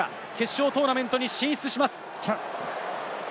勝った方が決勝トーナメントに進出します。